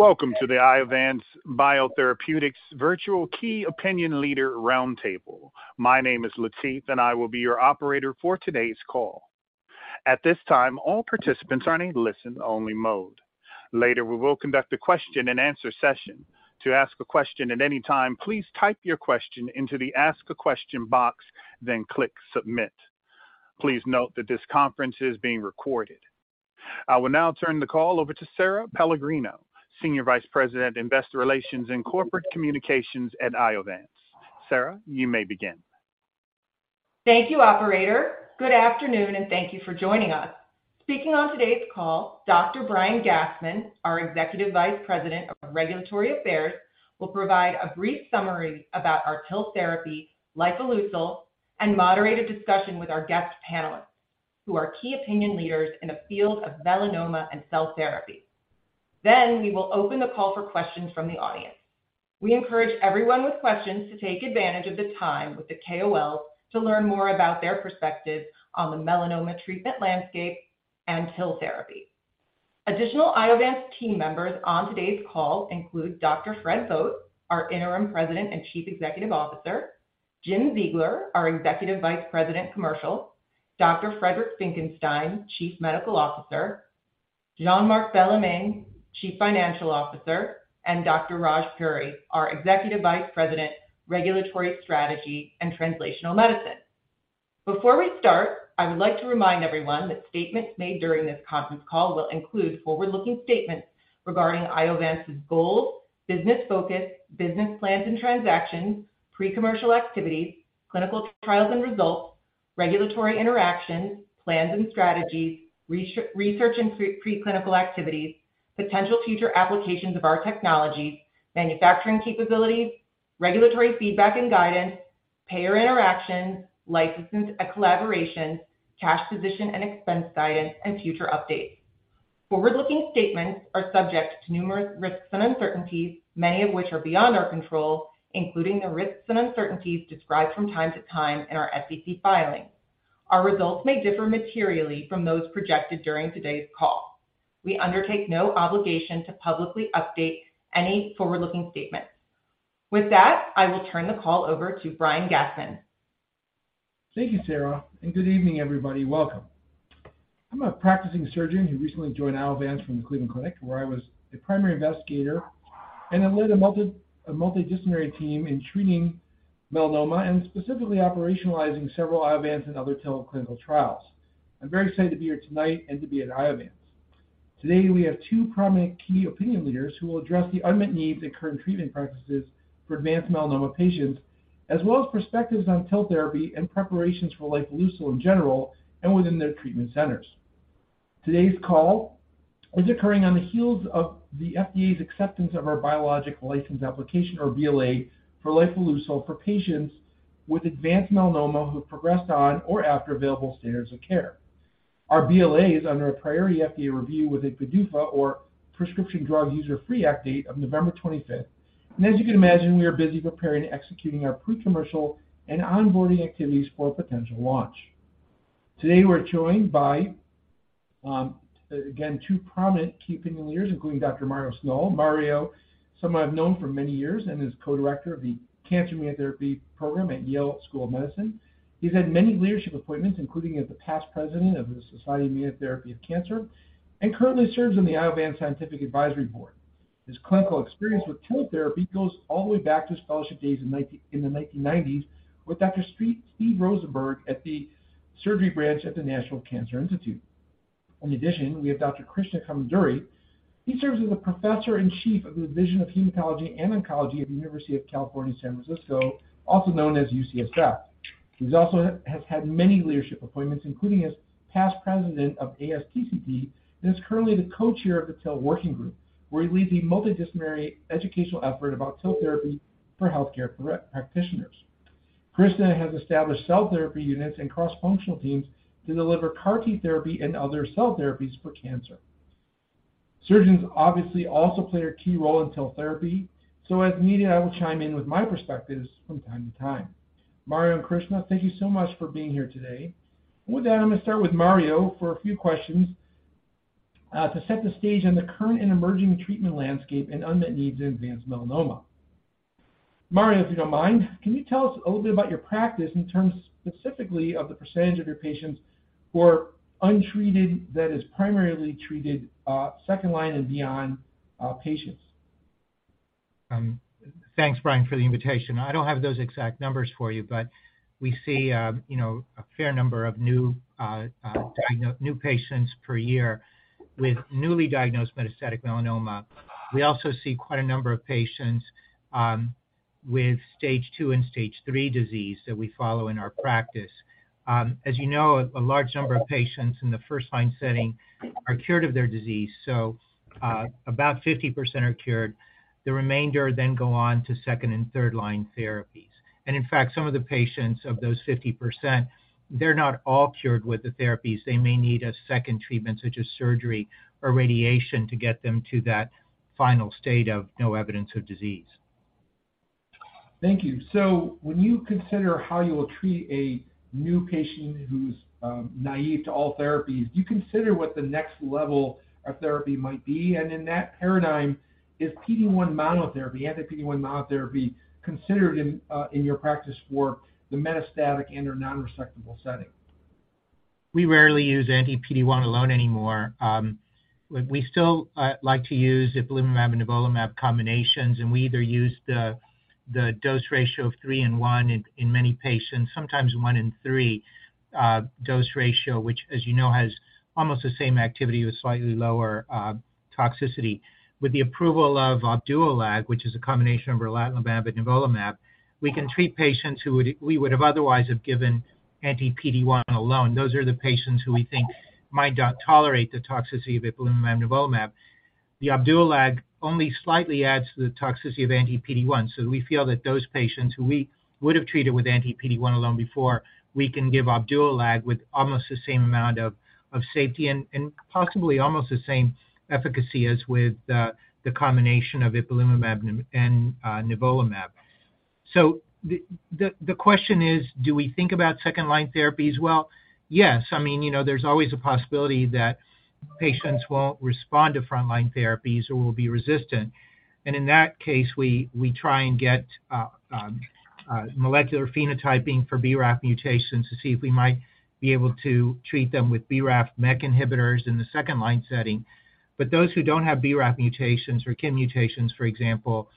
Welcome to the Iovance Biotherapeutics Virtual Key Opinion Leader Roundtable. My name is Latif, and I will be your operator for today's call. At this time, all participants are in a listen-only mode. Later, we will conduct a question-and-answer session. To ask a question at any time, please type your question into the Ask a Question box, then click Submit. Please note that this conference is being recorded. I will now turn the call over to Sara Pellegrino, Senior Vice President, Investor Relations and Corporate Communications at Iovance. Sara, you may begin. Thank you, operator. Good afternoon, and thank you for joining us. Speaking on today's call, Dr. Brian Gastman, our Executive Vice President of Regulatory Affairs, will provide a brief summary about our TIL therapy, lifileucel, and moderate a discussion with our guest panelists, who are key opinion leaders in the field of melanoma and cell therapy. Then we will open the call for questions from the audience. We encourage everyone with questions to take advantage of the time with the KOLs to learn more about their perspective on the melanoma treatment landscape and TIL therapy. Additional Iovance team members on today's call include Dr. Frederick Vogt, our Interim President and Chief Executive Officer, Jim Ziegler, our Executive Vice President, Commercial, Dr. Friedrich Graf Finckenstein, Chief Medical Officer, Jean-Marc Bellemin, Chief Financial Officer, and Dr. Raj Puri, our Executive Vice President, Regulatory Strategy and Translational Medicine. Before we start, I would like to remind everyone that statements made during this conference call will include forward-looking statements regarding Iovance's goals, business focus, business plans and transactions, pre-commercial activities, clinical trials and results, regulatory interactions, plans and strategies, research and preclinical activities, potential future applications of our technologies, manufacturing capabilities, regulatory feedback and guidance, payer interactions, licenses and collaborations, cash position and expense guidance, and future updates. Forward-looking statements are subject to numerous risks and uncertainties, many of which are beyond our control, including the risks and uncertainties described from time to time in our SEC filings. Our results may differ materially from those projected during today's call. We undertake no obligation to publicly update any forward-looking statements. With that, I will turn the call over to Brian Gastman. Thank you, Sara, and good evening, everybody. Welcome. I'm a practicing surgeon who recently joined Iovance from the Cleveland Clinic, where I was the primary investigator and I led a multidisciplinary team in treating melanoma and specifically operationalizing several Iovance and other TIL clinical trials. I'm very excited to be here tonight and to be at Iovance. Today, we have two prominent key opinion leaders who will address the unmet needs and current treatment practices for advanced melanoma patients, as well as perspectives on TIL therapy and preparations for lifileucel in general and within their treatment centers. Today's call is occurring on the heels of the FDA's acceptance of our biological license application, or BLA, for lifileucel for patients with advanced melanoma who have progressed on or after available standards of care. Our BLA is under a priority FDA review with a PDUFA or Prescription Drug User Fee Act date of November 25th. As you can imagine, we are busy preparing and executing our pre-commercial and onboarding activities for a potential launch. Today, we're joined by, again, two prominent Key Opinion Leaders, including Dr. Mario Sznol. Mario, someone I've known for many years and is co-director of the Cancer Immunology Program at Yale School of Medicine. He's had many leadership appointments, including as the past president of the Society for Immunotherapy of Cancer, and currently serves on the Iovance Scientific Advisory Board. His clinical experience with TIL therapy goes all the way back to his fellowship days in the 1990s with Dr. Steven Rosenberg at the Surgery Branch at the National Cancer Institute. In addition, we have Dr. Krishna Komanduri. He serves as a Professor and Chief of the Division of Hematology and Oncology at the University of California, San Francisco, also known as UCSF. He's also had many leadership appointments, including as past president of ASTCT, and is currently the co-chair of the TIL Working Group, where he leads a multidisciplinary educational effort about TIL therapy for healthcare practitioners. Krishna has established CAR T therapy units and cross-functional teams to deliver CAR T therapy and other cell therapies for cancer. Surgeons obviously also play a key role in TIL therapy, so as needed, I will chime in with my perspectives from time to time. Mario and Krishna, thank you so much for being here today. With that, I'm going to start with Mario for a few questions to set the stage on the current and emerging treatment landscape and unmet needs in advanced melanoma. Mario, if you don't mind, can you tell us a little bit about your practice in terms specifically of the % of your patients who are untreated, that is, primarily treated, second line and beyond, patients? Thanks, Brian, for the invitation. I don't have those exact numbers for you. We see, you know, a fair number of new patients per year with newly diagnosed metastatic melanoma. We also see quite a number of patients with stage two and stage three disease that we follow in our practice. As you know, a large number of patients in the first-line setting are cured of their disease. About 50% are cured. The remainder then go on to second and third-line therapies. In fact, some of the patients, of those 50%, they're not all cured with the therapies. They may need a second treatment, such as surgery or radiation, to get them to that final state of no evidence of disease. Thank you. When you consider how you will treat a new patient who's naive to all therapies, do you consider what the next level of therapy might be? In that paradigm, is PD-1 monotherapy, anti-PD-1 monotherapy, considered in your practice for the metastatic and/or non-resectable setting? We rarely use anti-PD-1 alone anymore. We still like to use Ipilimumab and Nivolumab combinations, and we either use the dose ratio of 3 in 1 in many patients, sometimes 1 in 3, dose ratio, which, as you know, has almost the same activity with slightly lower toxicity. With the approval of Opdualag, which is a combination of relatlimab and Nivolumab, we can treat patients who we would have otherwise have given anti-PD-1 alone. Those are the patients who we think might not tolerate the toxicity of Ipilimumab and Nivolumab. The Opdualag only slightly adds to the toxicity of anti-PD-1. We feel that those patients who we would have treated with anti-PD-1 alone before, we can give Opdualag with almost the same amount of safety and possibly almost the same efficacy as with the combination of ipilimumab and nivolumab. The question is, do we think about second-line therapies? Well, yes. I mean, you know, there's always a possibility that patients won't respond to frontline therapies or will be resistant. In that case, we try and get molecular phenotyping for BRAF mutations to see if we might be able to treat them with BRAF/MEK inhibitors in the second-line setting. Those who don't have BRAF mutations or KIT mutations, for example,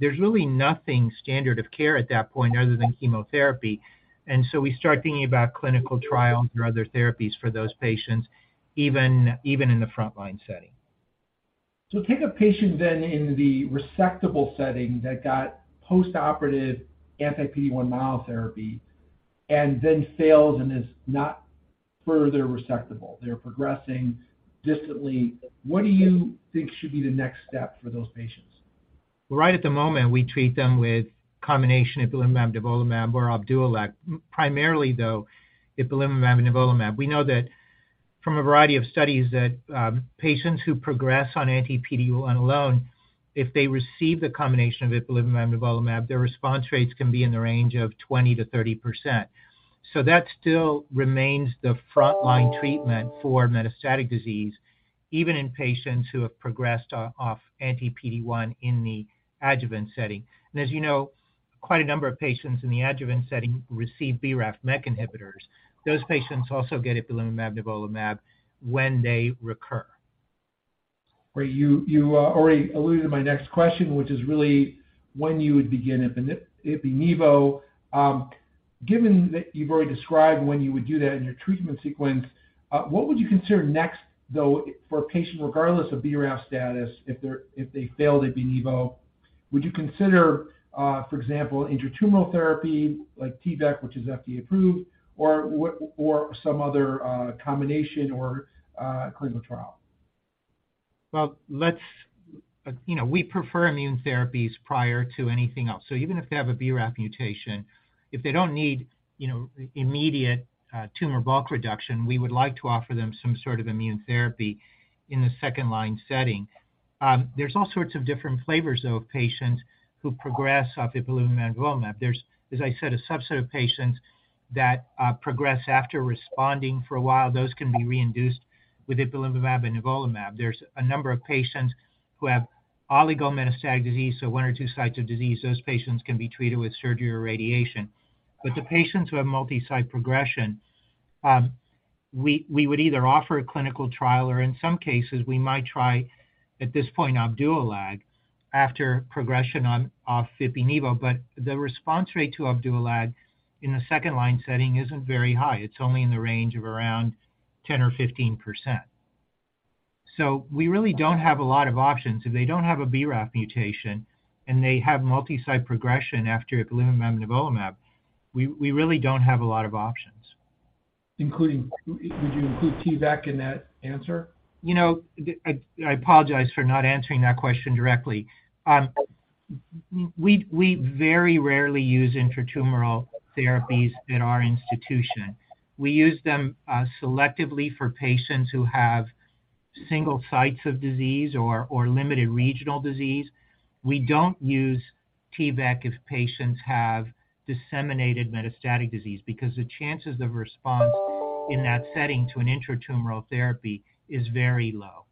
there's really nothing standard of care at that point other than chemotherapy. We start thinking about clinical trials or other therapies for those patients, even in the frontline setting. Take a patient then in the resectable setting that got post-operative anti-PD-1 monotherapy and then fails and is not further resectable, they're progressing distantly. What do you think should be the next step for those patients? Right at the moment, we treat them with a combination of Ipilimumab and Nivolumab or Opdualag. Primarily, though, Ipilimumab and Nivolumab. We know that from a variety of studies, that, patients who progress on anti-PD-1 alone, if they receive the combination of Ipilimumab and Nivolumab, their response rates can be in the range of 20%-30%. That still remains the frontline treatment for metastatic disease, even in patients who have progressed off anti-PD-1 in the adjuvant setting. As you know, quite a number of patients in the adjuvant setting receive BRAF/MEK inhibitors. Those patients also get Ipilimumab/Nivolumab when they recur. Right. You already alluded to my next question, which is really when you would begin Ipi/Nivo. Given that you've already described when you would do that in your treatment sequence, what would you consider next, though, for a patient, regardless of BRAF status, if they're, if they failed Ipi/Nivo? Would you consider, for example, intratumoral therapy like T-VEC, which is FDA approved, or some other combination or clinical trial? You know, we prefer immune therapies prior to anything else. Even if they have a BRAF mutation, if they don't need, you know, immediate, tumor bulk reduction, we would like to offer them some sort of immune therapy in the second-line setting. There's all sorts of different flavors, though, of patients who progress off ipilimumab/nivolumab. There's, as I said, a subset of patients that, progress after responding for a while. Those can be reinduced with ipilimumab and nivolumab. There's a number of patients who have oligometastatic disease, so one or two sites of disease. Those patients can be treated with surgery or radiation. The patients who have multi-site progression, we would either offer a clinical trial or in some cases, we might try, at this point, Opdualag, after progression off Ipi/Nivo. The response rate to Opdualag in the second-line setting isn't very high. It's only in the range of around 10% or 15%. We really don't have a lot of options. If they don't have a BRAF mutation and they have multi-site progression after ipilimumab/nivolumab, we really don't have a lot of options. Including, would you include T-VEC in that answer? You know, I apologize for not answering that question directly. We very rarely use intratumoral therapies at our institution. We use them selectively for patients who have single sites of disease or limited regional disease. We don't use T-VEC if patients have disseminated metastatic disease, because the chances of response in that setting to an intratumoral therapy is very low.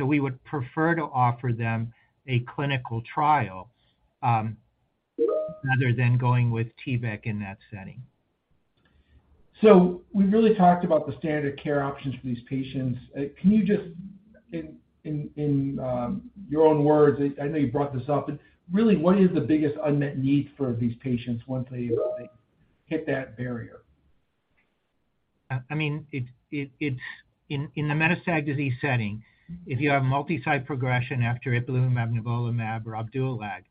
We would prefer to offer them a clinical trial rather than going with T-VEC in that setting. We've really talked about the standard care options for these patients. Can you just, in your own words, I know you brought this up, but really, what is the biggest unmet need for these patients once they hit that barrier? I mean, it's in the metastatic disease setting, if you have multi-site progression after Ipilimumab, Nivolumab, or Opdualag,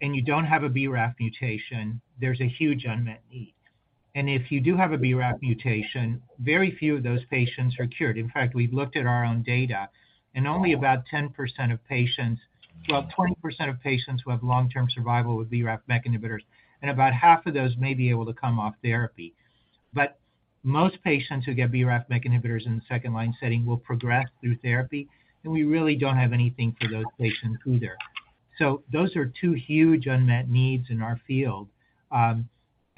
and you don't have a BRAF mutation, there's a huge unmet need. If you do have a BRAF mutation, very few of those patients are cured. In fact, we've looked at our own data, only about 10% of patients. Well, 20% of patients who have long-term survival with BRAF/MEK inhibitors, and about half of those may be able to come off therapy. Most patients who get BRAF MEK inhibitors in the second-line setting will progress through therapy, and we really don't have anything for those patients either. Those are two huge unmet needs in our field.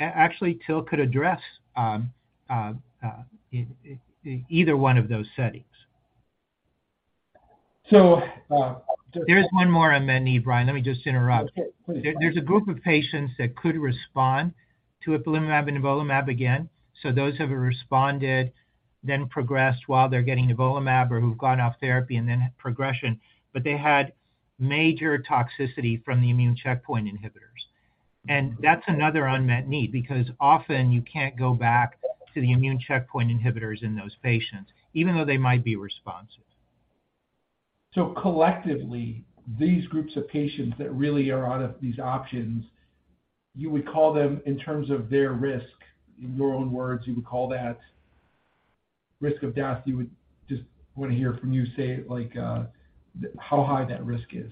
Actually, TIL could address either one of those settings. So, uh- There's one more unmet need, Brian. Let me just interrupt. Okay, please. There's a group of patients that could respond to ipilimumab and nivolumab again. Those who have responded, then progressed while they're getting nivolumab or who've gone off therapy and then had progression, but they had major toxicity from the immune checkpoint inhibitors. That's another unmet need because often you can't go back to the immune checkpoint inhibitors in those patients, even though they might be responsive. Collectively, these groups of patients that really are out of these options, you would call them in terms of their risk, in your own words, you would call that risk of death, you would just want to hear from you say, like, how high that risk is.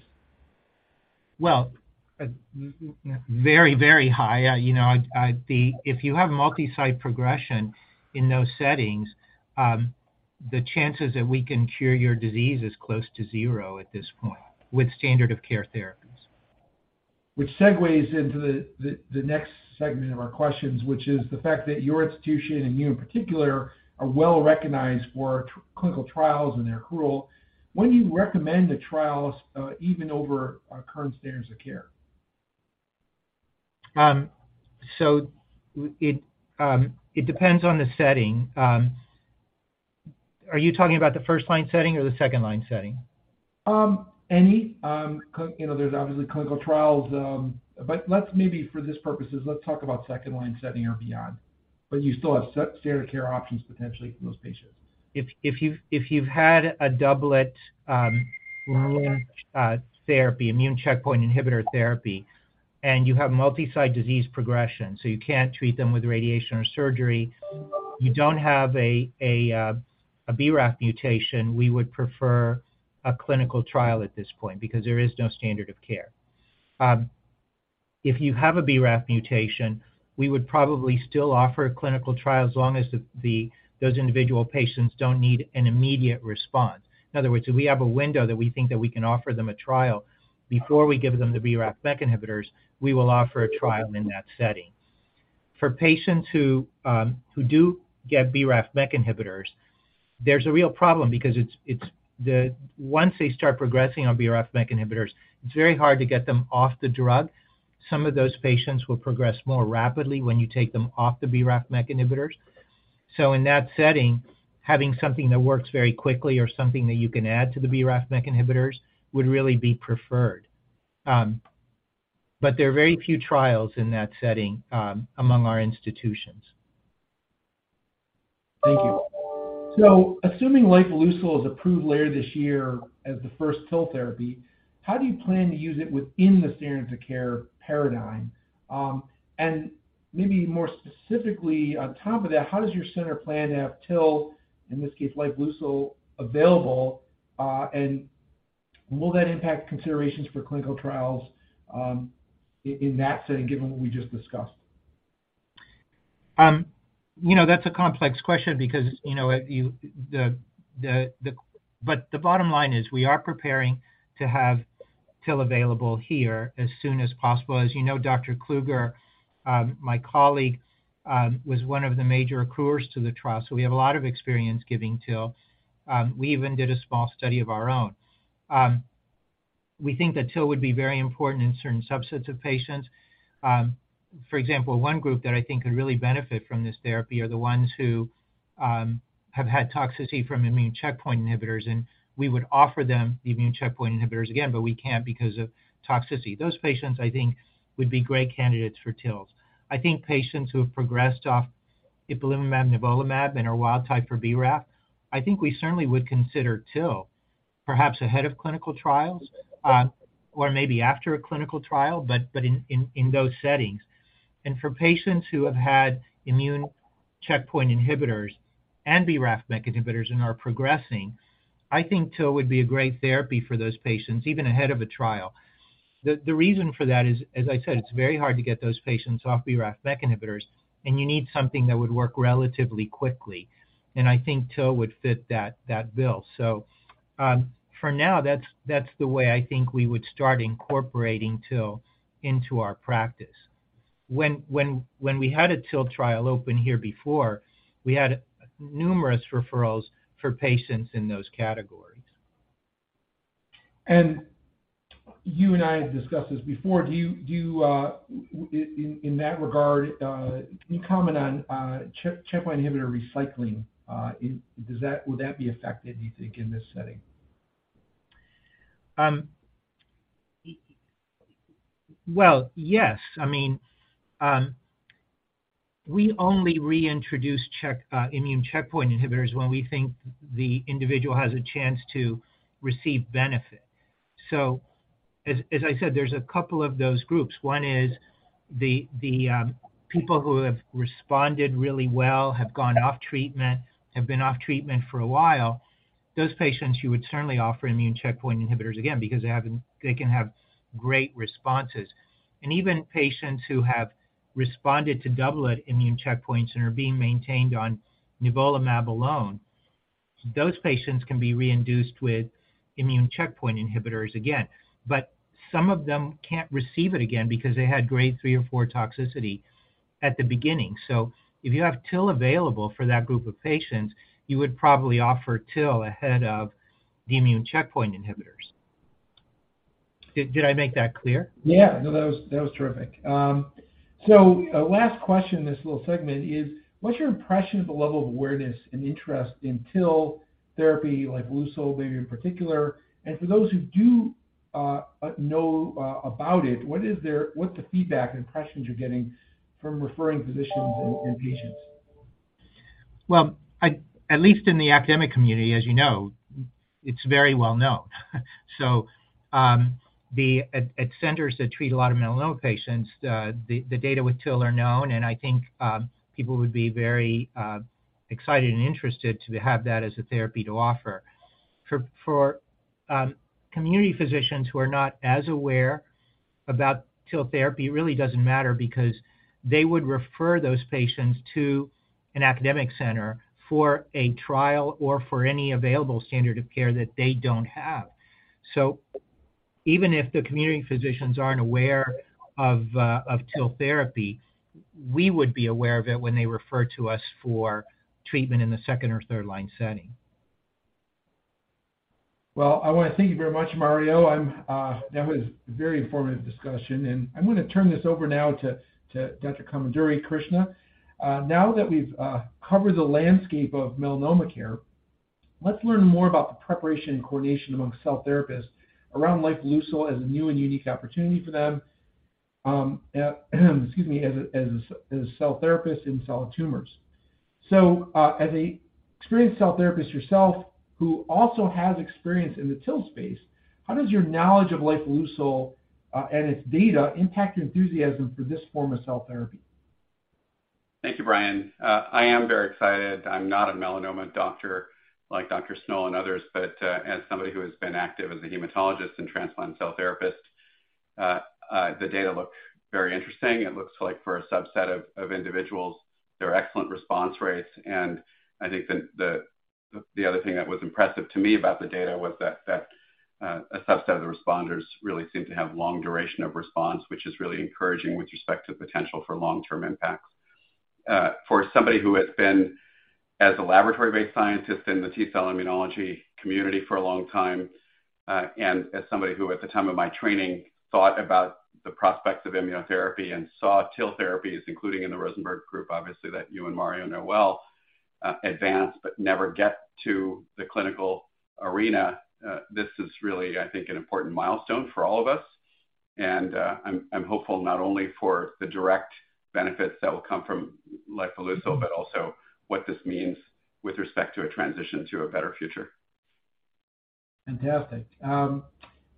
very, very high. You know, I'd be if you have multi-site progression in those settings, the chances that we can cure your disease is close to 0 at this point with standard of care therapies. segues into the next segment of our questions, which is the fact that your institution and you in particular, are well recognized for clinical trials and their accrual. When do you recommend the trials, even over our current standards of care? It depends on the setting. Are you talking about the first-line setting or the second-line setting? Any. you know, there's obviously clinical trials, but let's maybe for this purposes, let's talk about 2nd-line setting or beyond. Where you still have standard care options, potentially for those patients. If you've had a doublet, immune therapy, immune checkpoint inhibitor therapy, and you have multi-site disease progression, so you can't treat them with radiation or surgery, you don't have a BRAF mutation, we would prefer a clinical trial at this point because there is no standard of care. If you have a BRAF mutation, we would probably still offer a clinical trial as long as those individual patients don't need an immediate response. In other words, if we have a window that we think that we can offer them a trial before we give them the BRAF MEK inhibitors, we will offer a trial in that setting. For patients who do get BRAF MEK inhibitors, there's a real problem because once they start progressing on BRAF MEK inhibitors, it's very hard to get them off the drug. Some of those patients will progress more rapidly when you take them off the BRAF MEK inhibitors. In that setting, having something that works very quickly or something that you can add to the BRAF MEK inhibitors would really be preferred. There are very few trials in that setting among our institutions. Thank you. Assuming lifileucel is approved later this year as the first TIL therapy, how do you plan to use it within the standards of care paradigm? Maybe more specifically on top of that, how does your center plan to have TIL, in this case, lifileucel, available, and will that impact considerations for clinical trials, in that setting, given what we just discussed? you know, that's a complex question because, you know, The bottom line is, we are preparing to have TIL available here as soon as possible. As you know, Dr. Kluger, my colleague, was one of the major accruers to the trial, so we have a lot of experience giving TIL. We even did a small study of our own. We think that TIL would be very important in certain subsets of patients. For example, one group that I think could really benefit from this therapy are the ones who have had toxicity from immune checkpoint inhibitors, and we would offer them the immune checkpoint inhibitors again, but we can't because of toxicity. Those patients, I think, would be great candidates for TILs. I think patients who have progressed off ipilimumab, nivolumab, and are wild type for BRAF, I think we certainly would consider TIL, perhaps ahead of clinical trials, or maybe after a clinical trial, but in those settings. For patients who have had immune checkpoint inhibitors and BRAF MEK inhibitors and are progressing, I think TIL would be a great therapy for those patients, even ahead of a trial. The reason for that is, as I said, it's very hard to get those patients off BRAF MEK inhibitors, and you need something that would work relatively quickly, and I think TIL would fit that bill. For now, that's the way I think we would start incorporating TIL into our practice. When we had a TIL trial open here before, we had numerous referrals for patients in those categories. You and I have discussed this before. Do you, in that regard, can you comment on, checkpoint inhibitor recycling? Does that, would that be effective, do you think, in this setting? Yes. I mean, we only reintroduce immune checkpoint inhibitors when we think the individual has a chance to receive benefit. As I said, there's a couple of those groups. One is the people who have responded really well, have gone off treatment, have been off treatment for a while. Those patients, you would certainly offer immune checkpoint inhibitors again, because they can have great responses. Even patients who have responded to double immune checkpoints and are being maintained on nivolumab alone, those patients can be reinduced with immune checkpoint inhibitors again. Some of them can't receive it again because they had grade three or four toxicity at the beginning. If you have TIL available for that group of patients, you would probably offer TIL ahead of the immune checkpoint inhibitors. Did I make that clear? Yeah. No, that was, that was terrific. Last question in this little segment is: what's your impression of the level of awareness and interest in TIL therapy, like lifileucel, maybe in particular? For those who do know about it, what's the feedback and impressions you're getting from referring physicians and patients? Well, at least in the academic community, as you know, it's very well known. At centers that treat a lot of melanoma patients, the data with TIL are known, and I think people would be very excited and interested to have that as a therapy to offer. For community physicians who are not as aware about TIL therapy, it really doesn't matter because they would refer those patients to an academic center for a trial or for any available standard of care that they don't have. Even if the community physicians aren't aware of TIL therapy, we would be aware of it when they refer to us for treatment in the second or third-line setting. I want to thank you very much, Mario. I'm That was a very informative discussion, and I'm going to turn this over now to Dr. Krishna Komanduri. Now that we've covered the landscape of melanoma care, let's learn more about the preparation and coordination among cell therapists around lifileucel as a new and unique opportunity for them, excuse me, as cell therapists in solid tumors. As a experienced cell therapist yourself, who also has experience in the TIL space, how does your knowledge of lifileucel and its data impact your enthusiasm for this form of cell therapy? Thank you, Brian. I am very excited. I'm not a melanoma doctor like Dr. Sznol and others, but as somebody who has been active as a hematologist and transplant cell therapist, the data look very interesting. It looks like for a subset of individuals, there are excellent response rates, and I think that the other thing that was impressive to me about the data was that a subset of the responders really seem to have long duration of response, which is really encouraging with respect to the potential for long-term impacts. For somebody who has been, as a laboratory-based scientist in the T cell immunology community for a long time, and as somebody who, at the time of my training, thought about the prospects of immunotherapy and saw TIL therapies, including in the Rosenberg group, obviously, that you and Mario know well, advance but never get to the clinical arena, this is really, I think, an important milestone for all of us. I'm hopeful not only for the direct benefits that will come from lifileucel, but also what this means with respect to a transition to a better future. Fantastic.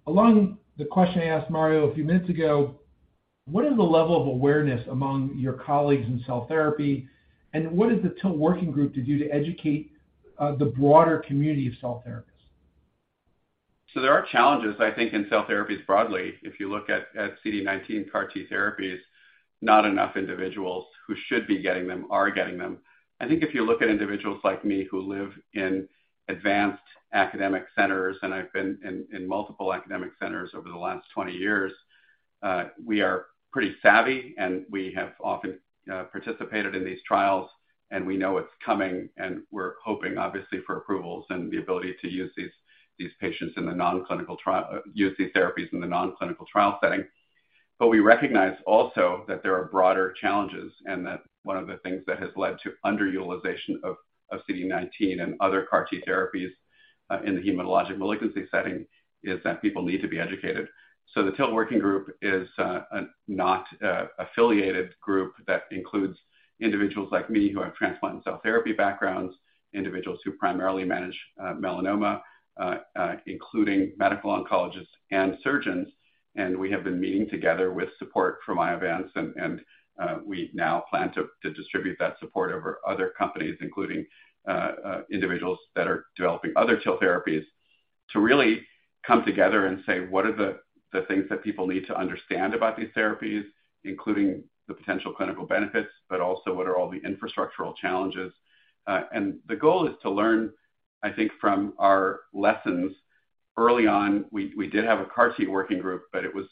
Along the question I asked Mario a few minutes ago, what is the level of awareness among your colleagues in cell therapy, and what is the TIL Working Group to do to educate the broader community of cell therapists? There are challenges, I think, in cell therapies broadly. If you look at CD19 CAR T therapies, not enough individuals who should be getting them are getting them. I think if you look at individuals like me who live in advanced academic centers, and I've been in multiple academic centers over the last 20 years, we are pretty savvy, and we have often participated in these trials, and we know it's coming, and we're hoping, obviously, for approvals and the ability to use these patients in the non-clinical trial, use these therapies in the non-clinical trial setting. We recognize also that there are broader challenges, and that one of the things that has led to underutilization of CD19 and other CAR T therapies, in the hematologic malignancy setting, is that people need to be educated. The TIL Working Group is a not affiliated group that includes individuals like me who have transplant and cell therapy backgrounds, individuals who primarily manage melanoma, including medical oncologists and surgeons. We have been meeting together with support from Iovance, we now plan to distribute that support over other companies, including individuals that are developing other TIL therapies, to really come together and say, "What are the things that people need to understand about these therapies, including the potential clinical benefits, but also what are all the infrastructural challenges?" The goal is to learn, I think, from our lessons. Early on, we did have a CAR T working group, but it was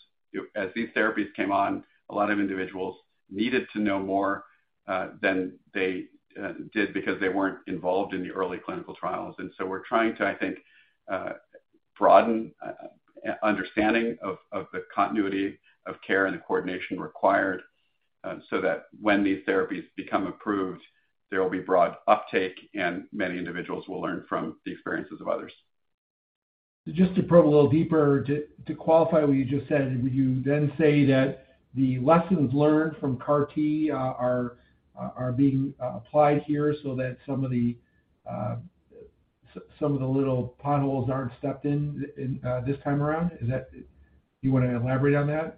as these therapies came on, a lot of individuals needed to know more than they did because they weren't involved in the early clinical trials. We're trying to, I think, broaden understanding of the continuity of care and the coordination required so that when these therapies become approved, there will be broad uptake, and many individuals will learn from the experiences of others. Just to probe a little deeper, to qualify what you just said, would you then say that the lessons learned from CAR T are being applied here so that some of the little potholes aren't stepped in this time around? Is that? Do you want to elaborate on that?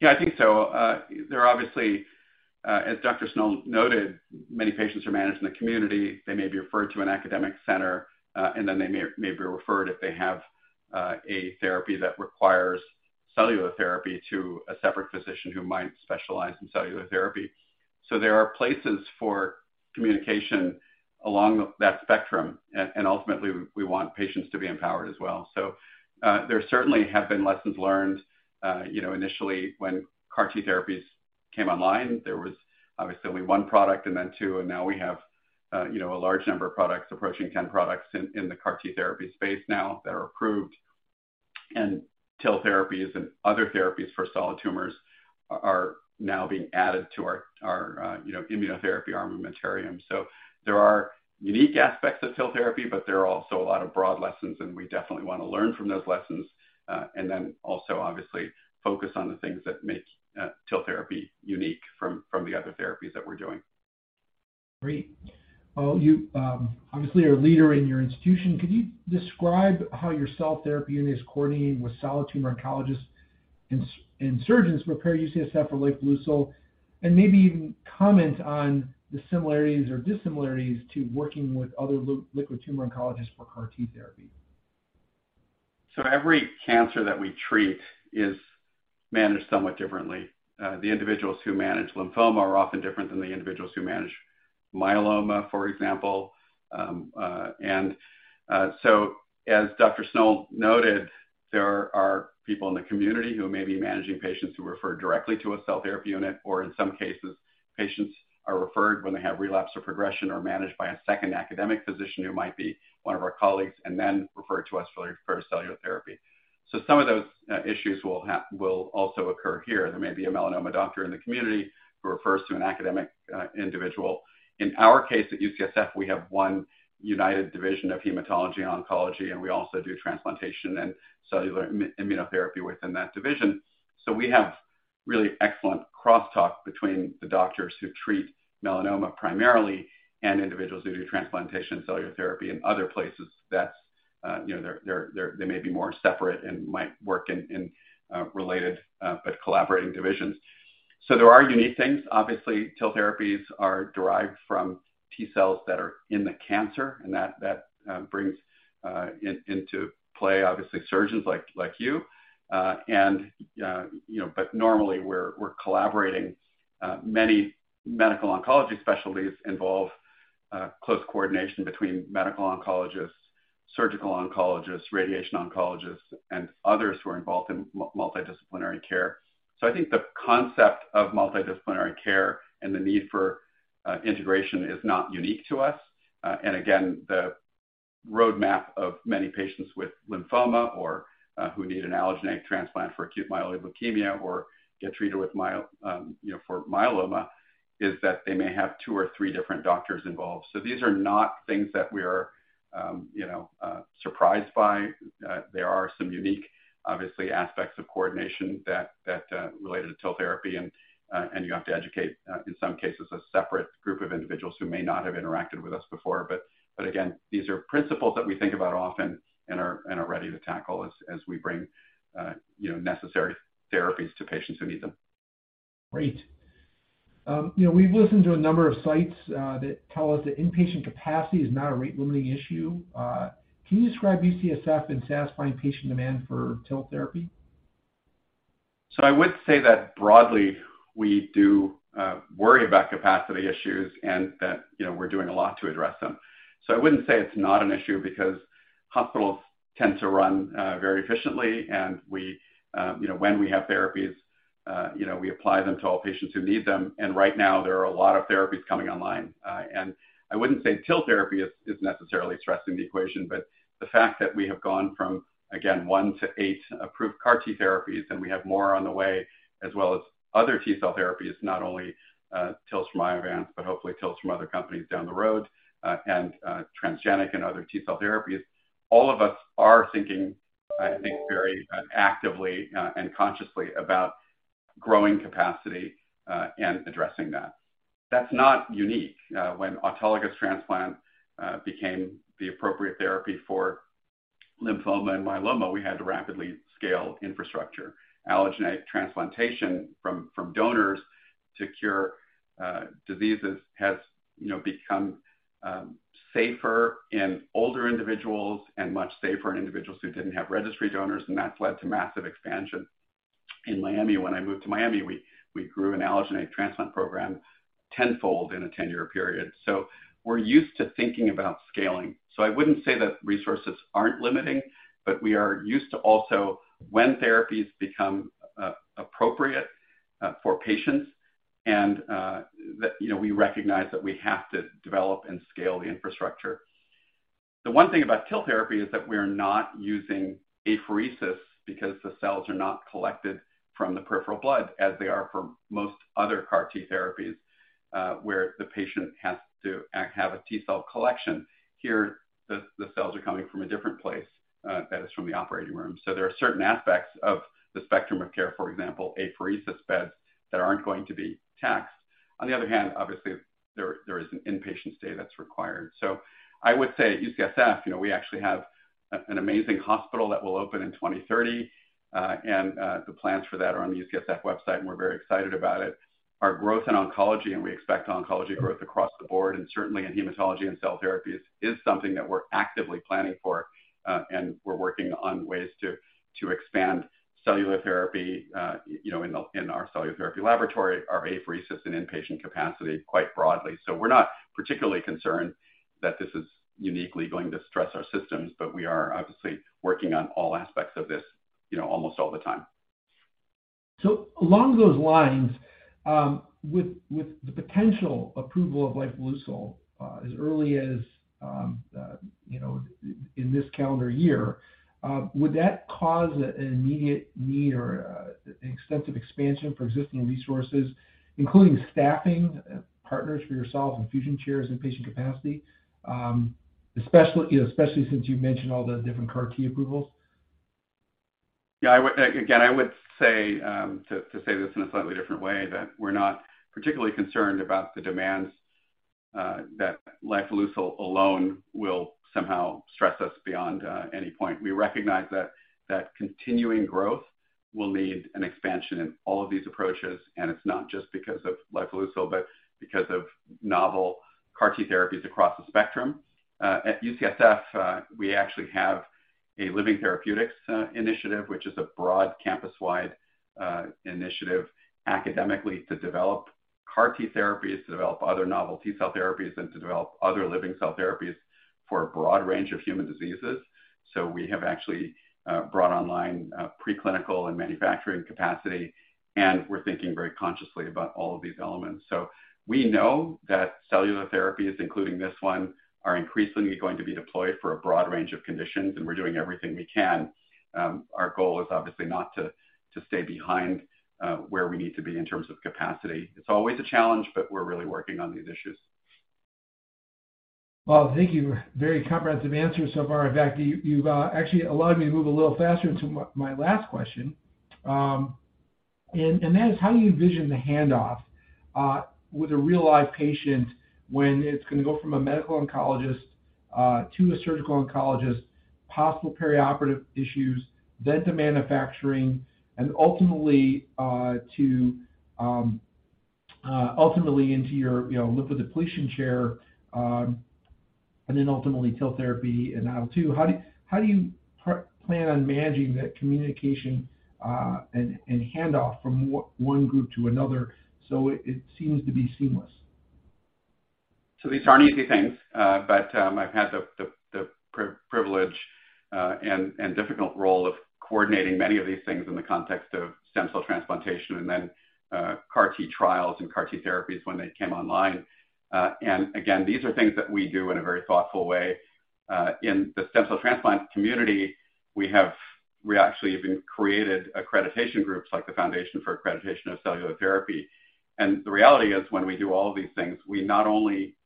Yeah, I think so. There are obviously, as Dr. Sznol noted, many patients are managed in the community. They may be referred to an academic center, and then they may be referred if they have, a therapy that requires cellular therapy to a separate physician who might specialize in cellular therapy. There are places for communication along that spectrum, and ultimately, we want patients to be empowered as well. There certainly have been lessons learned, you know, initially, when CAR T therapies came online, there was obviously only one product and then two, and now we have, you know, a large number of products approaching 10 products in the CAR T therapy space now that are approved. TIL therapies and other therapies for solid tumors are now being added to our, you know, immunotherapy armamentarium. There are unique aspects of TIL therapy, but there are also a lot of broad lessons, and we definitely want to learn from those lessons, and then also, obviously, focus on the things that make TIL therapy unique from the other therapies that we're doing. Great. Well, you obviously are a leader in your institution. Could you describe how your cell therapy unit is coordinating with solid tumor oncologists and surgeons who prepare UCSF for lifileucel, and maybe even comment on the similarities or dissimilarities to working with other liquid tumor oncologists for CAR T therapy? Every cancer that we treat is managed somewhat differently. The individuals who manage lymphoma are often different than the individuals who manage myeloma, for example. As Dr. Sznol noted, there are people in the community who may be managing patients who refer directly to a cell therapy unit, or in some cases, patients are referred when they have relapse or progression, or managed by a second academic physician who might be one of our colleagues, and then referred to us for cellular therapy. Some of those issues will also occur here. There may be a melanoma doctor in the community who refers to an academic individual. In our case, at UCSF, we have one united division of hematology and oncology, and we also do transplantation and cellular immunotherapy within that division. We have really excellent cross-talk between the doctors who treat melanoma primarily and individuals who do transplantation, cellular therapy in other places. That's, you know, they may be more separate and might work in related but collaborating divisions. There are unique things. Obviously, TIL therapies are derived from T cells that are in the cancer, and that brings into play, obviously, surgeons like you. You know, but normally we're collaborating. Many medical oncology specialties involve close coordination between medical oncologists, surgical oncologists, radiation oncologists, and others who are involved in multidisciplinary care. I think the concept of multidisciplinary care and the need for integration is not unique to us. Again, the roadmap of many patients with lymphoma or who need an allogeneic transplant for acute myeloid leukemia or get treated with, you know, for myeloma, is that they may have 2 or 3 different doctors involved. These are not things that we are, you know, surprised by. There are some unique, obviously, aspects of coordination that related to TIL therapy, and you have to educate in some cases, a separate group of individuals who may not have interacted with us before. Again, these are principles that we think about often and are ready to tackle as we bring, you know, necessary therapies to patients who need them. Great. you know, we've listened to a number of sites, that tell us that inpatient capacity is not a rate-limiting issue. can you describe UCSF and satisfying patient demand for TIL therapy? I would say that broadly, we do worry about capacity issues and that, you know, we're doing a lot to address them. I wouldn't say it's not an issue because hospitals tend to run very efficiently, and we, you know, when we have therapies, you know, we apply them to all patients who need them. Right now, there are a lot of therapies coming online. I wouldn't say TIL therapy is necessarily stressing the equation, but the fact that we have gone from, again, 1 to 8 approved CAR T therapies, and we have more on the way, as well as other T-cell therapies, not only TILs from Iovance, but hopefully TILs from other companies down the road, and transgenic and other T-cell therapies. All of us are thinking, I think, very actively, and consciously about growing capacity, and addressing that. That's not unique. When autologous transplant became the appropriate therapy for lymphoma and myeloma, we had to rapidly scale infrastructure. Allogeneic transplantation from donors to cure diseases has, you know, become safer in older individuals and much safer in individuals who didn't have registry donors, and that's led to massive expansion. In Miami, when I moved to Miami, we grew an allogeneic transplant program 10-fold in a 10-year period. We're used to thinking about scaling. I wouldn't say that resources aren't limiting, but we are used to also when therapies become appropriate for patients, and that, you know, we recognize that we have to develop and scale the infrastructure. The one thing about TIL therapy is that we are not using apheresis because the cells are not collected from the peripheral blood as they are for most other CAR T therapies, where the patient has to have a T cell collection. Here, the cells are coming from a different place, that is, from the operating room. There are certain aspects of the spectrum of care, for example, apheresis beds, that aren't going to be taxed. On the other hand, obviously, there is an inpatient stay that's required. I would say at UCSF, you know, we actually have an amazing hospital that will open in 2030, and the plans for that are on the UCSF website, and we're very excited about it. Our growth in oncology, and we expect oncology growth across the board, and certainly in hematology and cell therapies, is something that we're actively planning for, and we're working on ways to expand cellular therapy, you know, in our cellular therapy laboratory, our apheresis and inpatient capacity quite broadly. We're not particularly concerned that this is uniquely going to stress our systems, we are obviously working on all aspects of this, you know, almost all the time. Along those lines, with the potential approval of lifileucel, as early as, you know, in this calendar year, would that cause an immediate need or an extensive expansion for existing resources, including staffing, partners for yourselves, infusion chairs, and patient capacity? Especially, you know, especially since you mentioned all the different CAR T approvals. Yeah, again, I would say, to say this in a slightly different way, that we're not particularly concerned about the demands, that lifileucel alone will somehow stress us beyond any point. We recognize that continuing growth will need an expansion in all of these approaches, and it's not just because of lifileucel, but because of novel CAR T therapies across the spectrum. At UCSF, we actually have a Living Therapeutics initiative, which is a broad campus-wide initiative academically to develop CAR T therapies, to develop other novel T-cell therapies, and to develop other living cell therapies for a broad range of human diseases. We have actually brought online preclinical and manufacturing capacity, and we're thinking very consciously about all of these elements. We know that cellular therapies, including this one, are increasingly going to be deployed for a broad range of conditions, and we're doing everything we can. Our goal is obviously not to stay behind, where we need to be in terms of capacity. It's always a challenge, but we're really working on these issues. Well, thank you. Very comprehensive answers so far. In fact, you've actually allowed me to move a little faster to my last question. That is, how do you envision the handoff with a real-life patient when it's going to go from a medical oncologist to a surgical oncologist, possible perioperative issues, then to manufacturing, and ultimately into your, you know, lymphodepletion chair, and then ultimately, TIL therapy and how do you plan on managing that communication and handoff from one group to another so it seems to be seamless? These aren't easy things, but I've had the privilege and difficult role of coordinating many of these things in the context of stem cell transplantation and then CAR T trials and CAR T therapies when they came online. These are things that we do in a very thoughtful way. In the stem cell transplant community, we actually even created accreditation groups like the Foundation for Accreditation of Cellular Therapy. The reality is, when we do all of these things, we not only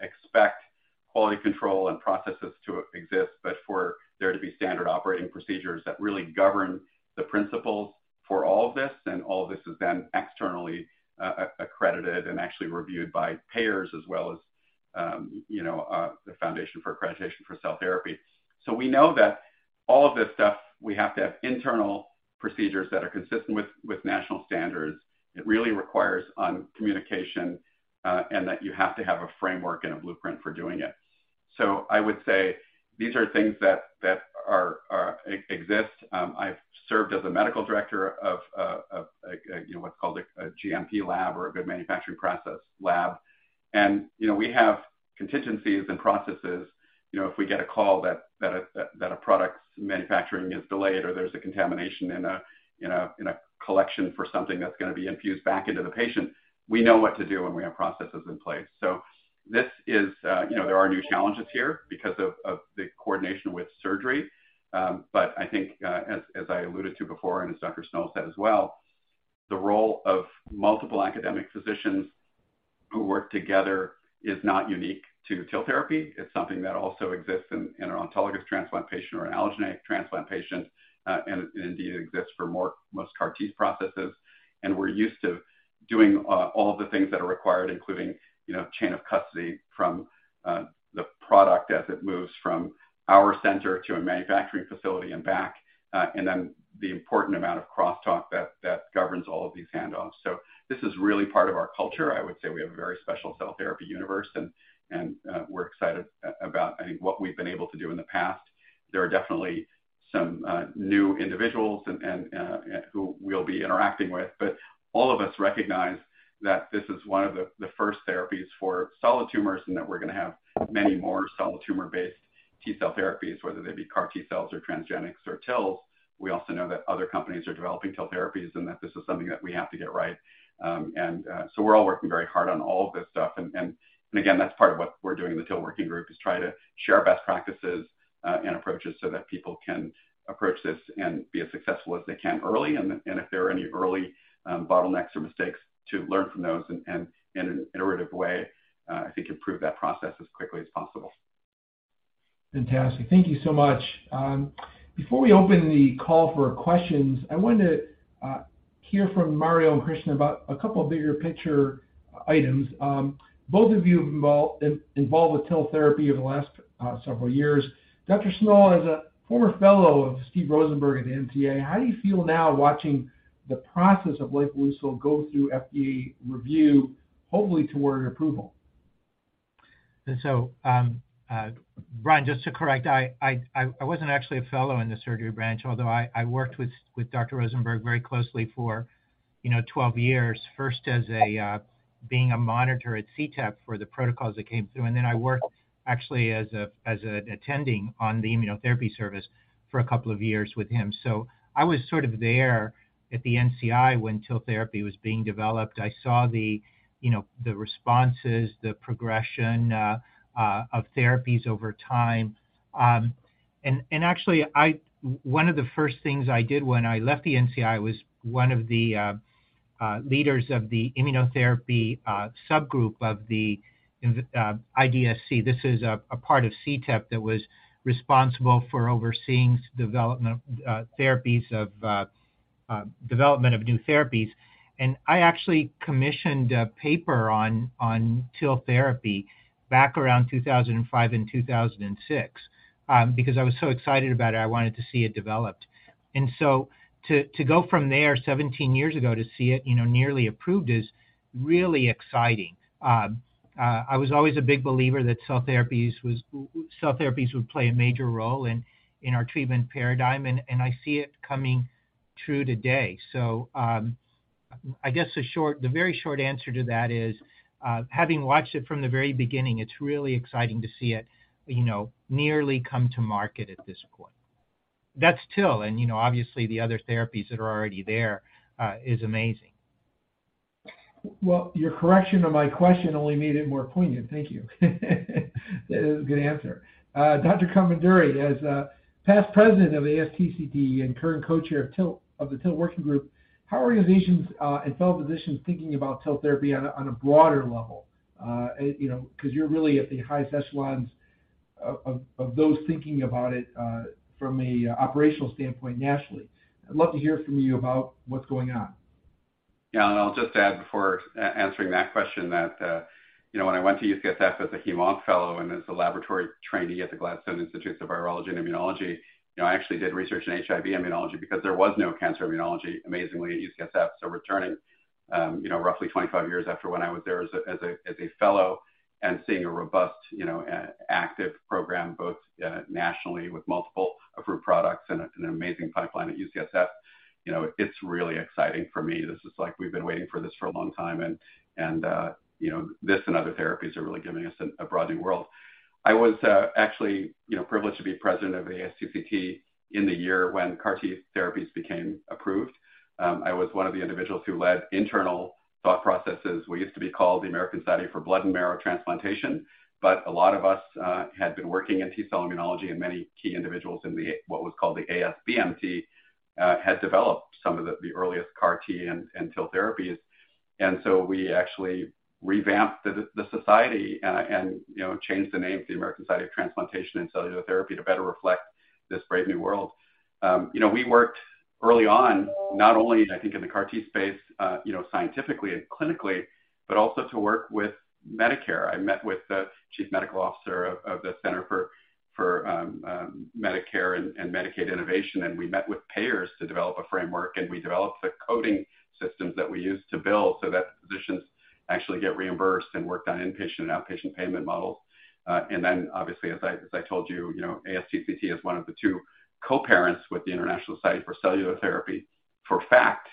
expect quality control and processes to exist, but for there to be standard operating procedures that really govern the principles for all of this, and all of this is then externally accredited and actually reviewed by payers as well as the Foundation for Accreditation for Cell Therapy. We know that all of this stuff, we have to have internal procedures that are consistent with national standards. It really requires on communication, and that you have to have a framework and a blueprint for doing it. I would say these are things that are exist. I've served as a medical director of what's called a GMP lab or a good manufacturing process lab. You know, we have contingencies and processes, you know, if we get a call that a product's manufacturing is delayed or there's a contamination in a collection for something that's going to be infused back into the patient, we know what to do, and we have processes in place. This is, you know, there are new challenges here because of the coordination with surgery. I think, as I alluded to before, and as Dr. Sznol said as well, the role of multiple academic physicians who work together is not unique to TIL therapy. It's something that also exists in an autologous transplant patient or an allogeneic transplant patient, and indeed exists for most CAR T processes. We're used to doing all of the things that are required, including, you know, chain of custody from the product as it moves from our center to a manufacturing facility and back, and then the important amount of crosstalk that governs all of these handoffs. This is really part of our culture. I would say we have a very special cell therapy universe, and we're excited about, I think, what we've been able to do in the past. There are definitely some new individuals and who we'll be interacting with, but all of us recognize that this is one of the first therapies for solid tumors and that we're going to have many more solid tumor-based T-cell therapies, whether they be CAR T cells or transgenics or TILs. We also know that other companies are developing TIL therapies and that this is something that we have to get right. We're all working very hard on all of this stuff, and again, that's part of what we're doing in the TIL Working Group, is try to share best practices, and approaches so that people can approach this and be as successful as they can early, and then, if there are any early, bottlenecks or mistakes, to learn from those in an iterative way, I think improve that process as quickly as possible. Fantastic. Thank you so much. Before we open the call for questions, I wanted to hear from Mario and Krishna about a couple of bigger picture items. Both of you have involved with TIL therapy over the last several years. Dr. Sznol, as a former fellow of Steven Rosenberg at NCI, how do you feel now watching the process of lifileucel go through FDA review, hopefully toward an approval? Brian, just to correct, I wasn't actually a fellow in the Surgery Branch, although I worked with Dr. Rosenberg very closely for, you know, 12 years, first as a being a monitor at CTEP for the protocols that came through, and then I worked actually as an attending on the immunotherapy service for a couple of years with him. I was sort of there at the NCI when TIL therapy was being developed. I saw the, you know, the responses, the progression of therapies over time. Actually, one of the first things I did when I left the NCI was one of the leaders of the immunotherapy subgroup of the IDSC. This is a part of CTEP that was responsible for overseeing development, therapies of development of new therapies. I actually commissioned a paper on TIL therapy back around 2005 and 2006 because I was so excited about it, I wanted to see it developed. To go from there 17 years ago, to see it, you know, nearly approved is really exciting. I was always a big believer that cell therapies would play a major role in our treatment paradigm, and I see it coming true today. I guess the very short answer to that is having watched it from the very beginning, it's really exciting to see it, you know, nearly come to market at this point. That's TIL, and, you know, obviously, the other therapies that are already there, is amazing. Your correction of my question only made it more poignant. Thank you. That is a good answer. Dr. Komanduri, as past president of the ASTCT and current co-chair of the TIL Working Group, how are organizations and fellow physicians thinking about TIL therapy on a broader level? You know, 'cause you're really at the highest echelons of those thinking about it from a operational standpoint nationally. I'd love to hear from you about what's going on. I'll just add before answering that question that, you know, when I went to UCSF as a heme/onc fellow and as a laboratory trainee at the Gladstone Institutes of Virology and Immunology, you know, I actually did research in HIV immunology because there was no cancer immunology, amazingly, at UCSF. Returning, you know, roughly 25 years after when I was there as a fellow and seeing a robust, you know, active program, both nationally with multiple approved products and an amazing pipeline at UCSF, you know, it's really exciting for me. This is like we've been waiting for this for a long time, and, you know, this and other therapies are really giving us a brand new world. I was, actually, you know, privileged to be president of the ASTCT in the year when CAR T therapies became approved. I was one of the individuals who led internal thought processes. We used to be called the American Society for Blood and Marrow Transplantation, but a lot of us had been working in T-cell immunology, and many key individuals in the, what was called the ASBMT, had developed some of the earliest CAR T and TIL therapies. We actually revamped the society and, you know, changed the name to the American Society for Transplantation and Cellular Therapy to better reflect this brave new world. You know, we worked early on, not only I think in the CAR T space, you know, scientifically and clinically, but also to work with Medicare. I met with the chief medical officer of the Center for Medicare and Medicaid Innovation. We met with payers to develop a framework. We developed the coding systems that we use to bill so that physicians actually get reimbursed and worked on inpatient and outpatient payment models. Obviously, as I told you know, ASTCT is one of the two co-parents with the International Society for Cellular Therapy. For FACT,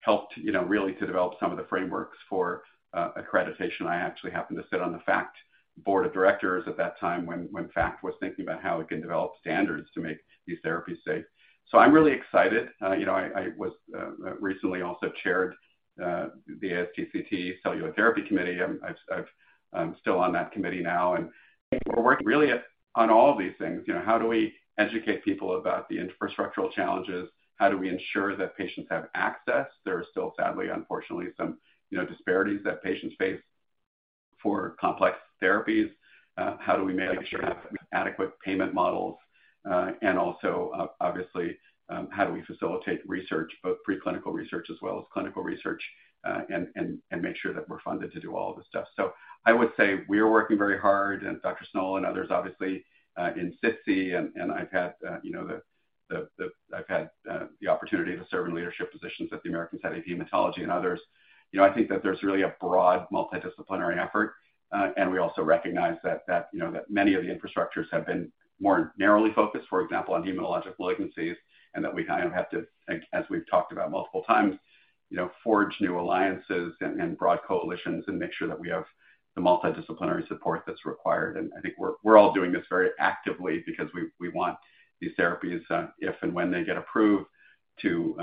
helped, you know, really to develop some of the frameworks for accreditation. I actually happened to sit on the FACT board of directors at that time when FACT was thinking about how it can develop standards to make these therapies safe. I'm really excited. You know, I was recently also chaired the ASTCT Cellular Therapy Committee. I'm still on that committee now, and we're working really on all of these things. You know, how do we educate people about the infrastructural challenges? How do we ensure that patients have access? There are still, sadly, unfortunately, some, you know, disparities that patients face for complex therapies. How do we make sure we have adequate payment models? And also, obviously, how do we facilitate research, both preclinical research as well as clinical research, and make sure that we're funded to do all of this stuff? I would say we are working very hard, and Dr. Sznol and others, obviously, in SITC, and I've had, you know, the opportunity to serve in leadership positions at the American Society of Hematology and others. You know, I think that there's really a broad multidisciplinary effort, and we also recognize that, you know, that many of the infrastructures have been more narrowly focused, for example, on hematologic malignancies, and that we kind of have to think, as we've talked about multiple times, you know, forge new alliances and broad coalitions and make sure that we have the multidisciplinary support that's required.I think we're all doing this very actively because we want these therapies, if and when they get approved, to,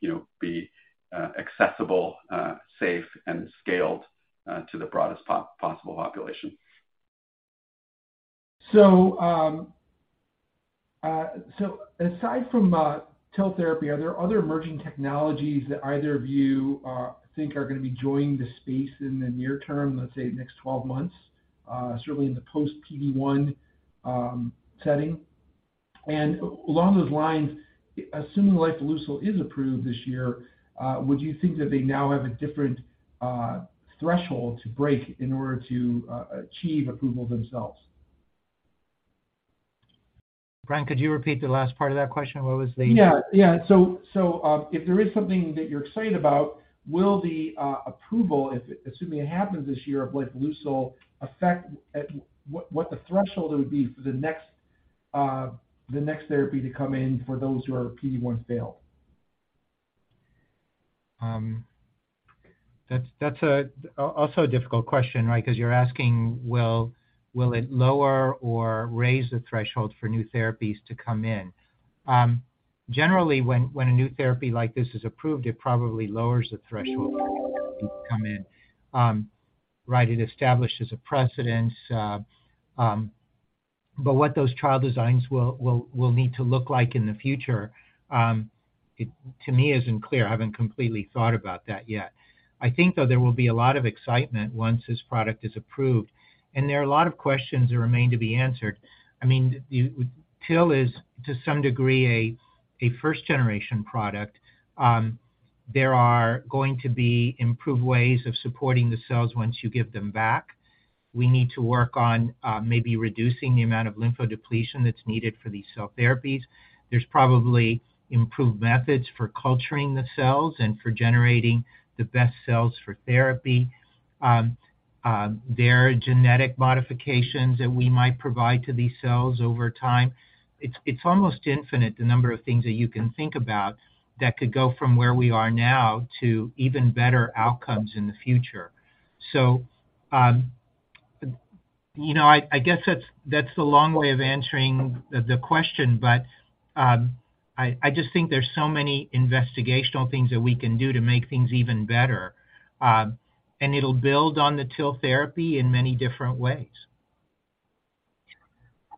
you know, be, accessible, safe, and scaled, to the broadest possible population. Aside from TIL therapy, are there other emerging technologies that either of you think are going to be joining the space in the near term, let's say the next 12 months, certainly in the post-PD-1 setting? Along those lines, assuming the lifileucel is approved this year, would you think that they now have a different threshold to break in order to achieve approval themselves? Brian, could you repeat the last part of that question? Yeah. Yeah. If there is something that you're excited about, will the approval, if, assuming it happens this year, of lifileucel affect at what the threshold it would be for the next therapy to come in for those who are PD-1 fail? That's a, also a difficult question, right? Because you're asking, well, will it lower or raise the threshold for new therapies to come in? Generally, when a new therapy like this is approved, it probably lowers the threshold for things to come in. Right, it establishes a precedence, but what those trial designs will need to look like in the future, it, to me, isn't clear. I haven't completely thought about that yet. I think, though, there will be a lot of excitement once this product is approved, and there are a lot of questions that remain to be answered. I mean, you, TIL is, to some degree, a first-generation product. There are going to be improved ways of supporting the cells once you give them back. We need to work on maybe reducing the amount of lymphodepletion that's needed for these cell therapies. There's probably improved methods for culturing the cells and for generating the best cells for therapy. There are genetic modifications that we might provide to these cells over time. It's almost infinite, the number of things that you can think about that could go from where we are now to even better outcomes in the future. You know, I guess that's a long way of answering the question, but I just think there's so many investigational things that we can do to make things even better, and it'll build on the TIL therapy in many different ways.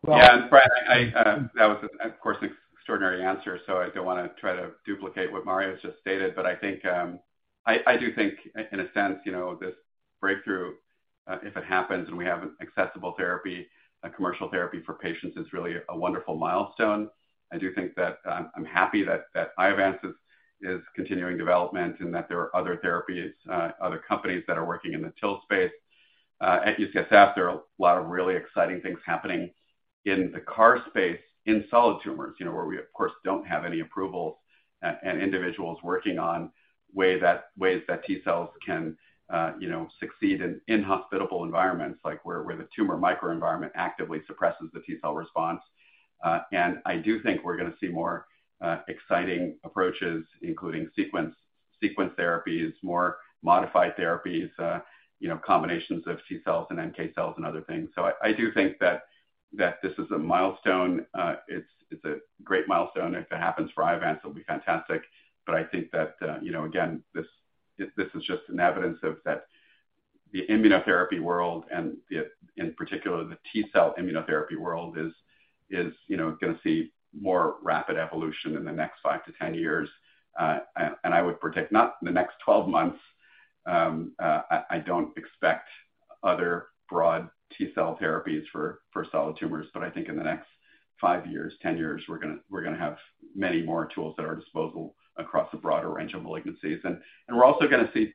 Brian, I, that was, of course, an extraordinary answer, so I don't want to try to duplicate what Mario just stated. I think, I do think in a sense, you know, this breakthrough, if it happens and we have an accessible therapy, a commercial therapy for patients, is really a wonderful milestone. I do think that, I'm happy that that Iovance is continuing development and that there are other therapies, other companies that are working in the TIL space. At UCSF, there are a lot of really exciting things happening in the CAR space, in solid tumors, you know, where we, of course, don't have any approvals, and individuals working on ways that T cells can, you know, succeed in inhospitable environments, like where the tumor microenvironment actively suppresses the T cell response. I do think we're going to see more exciting approaches, including sequence therapies, more modified therapies, you know, combinations of T cells and NK cells and other things. I do think that this is a milestone. It's a great milestone. If it happens for Iovance, it'll be fantastic. I think that, you know, again, this is just an evidence of that the immunotherapy world, and the, in particular, the T cell immunotherapy world, is, you know, going to see more rapid evolution in the next 5 to 10 years. I would predict not in the next 12 months. I don't expect other broad T cell therapies for solid tumors, but I think in the next 5 years, 10 years, we're gonna have many more tools at our disposal across a broader range of malignancies. We're also gonna see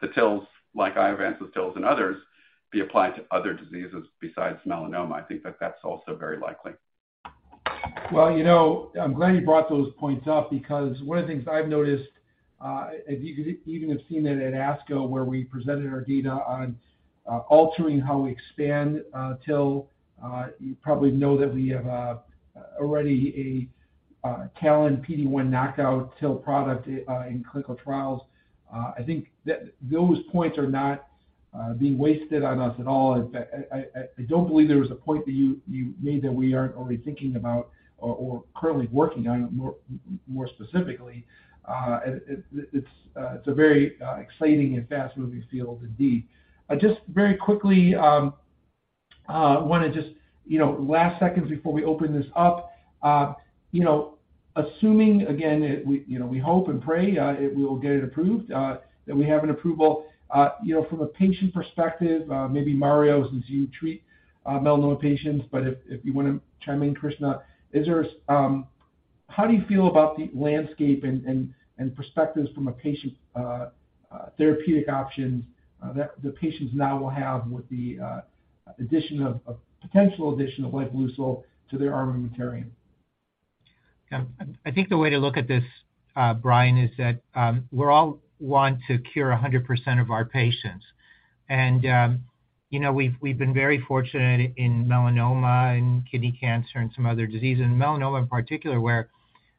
the TILs, like Iovance, the TILs, and others, be applied to other diseases besides melanoma. I think that that's also very likely. Well, you know, I'm glad you brought those points up because one of the things I've noticed, if you could even have seen it at ASCO, where we presented our data on altering how we expand TIL, you probably know that we have already a TALEN PD-1 knockout TIL product in clinical trials. I think that those points are not being wasted on us at all. In fact, I don't believe there was a point that you made that we aren't already thinking about or currently working on more specifically. It's a very exciting and fast-moving field indeed. Just very quickly, want to just, you know, last seconds before we open this up, you know, assuming, again, that we, you know, we hope and pray, it will get it approved, that we have an approval. You know, from a patient perspective, maybe Mario, since you treat melanoma patients, but if you want to chime in, Krishna, is there how do you feel about the landscape and perspectives from a patient therapeutic options that the patients now will have with the addition of, a potential addition of lifileucel to their armamentarium? I think the way to look at this, Brian, is that, we all want to cure 100% of our patients. You know, we've been very fortunate in melanoma and kidney cancer and some other diseases, and melanoma in particular, where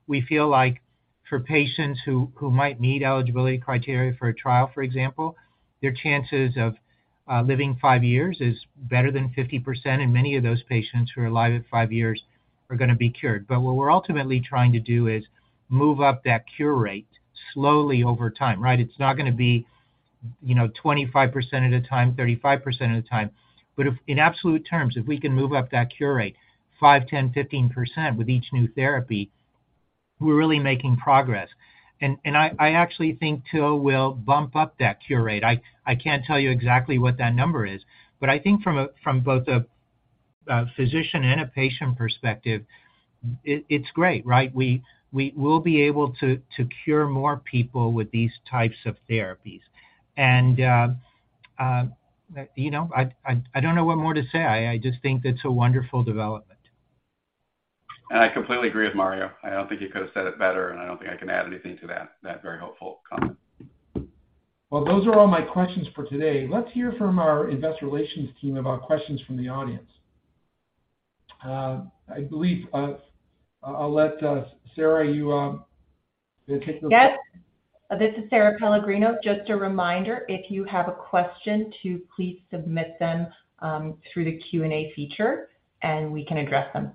we feel like for patients who might meet eligibility criteria for a trial, for example, their chances of, living 5 years is better than 50%, and many of those patients who are alive at 5 years are going to be cured. What we're ultimately trying to do is move up that cure rate slowly over time, right? It's not going to be, you know, 25% at a time, 35% at a time. If in absolute terms, if we can move up that cure rate, 5%, 10%, 15% with each new therapy, we're really making progress. I actually think, too, we'll bump up that cure rate. I can't tell you exactly what that number is, but I think from both a physician and a patient perspective, it's great, right? We will be able to cure more people with these types of therapies. you know, I don't know what more to say. I just think it's a wonderful development. I completely agree with Mario. I don't think he could have said it better, and I don't think I can add anything to that very hopeful comment. Well, those are all my questions for today. Let's hear from our investor relations team about questions from the audience. I believe, I'll let, Sara, you, take those. Yes. This is Sara Pellegrino. Just a reminder, if you have a question, to please submit them through the Q&A feature, and we can address them.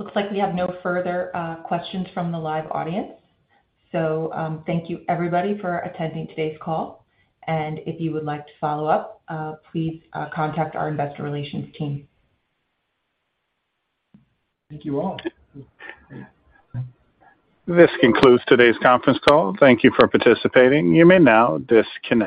Looks like we have no further questions from the live audience. Thank you, everybody, for attending today's call, and if you would like to follow up, please contact our investor relations team. Thank you all. This concludes today's conference call. Thank you for participating. You may now disconnect.